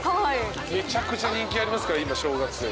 めちゃくちゃ人気ありますから今小学生。